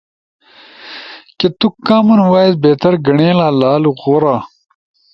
کی تُو کامن وائس بہتر گنیڑلا؟ لالو غورا۔